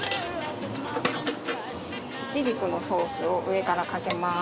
イチジクのソースを上からかけます。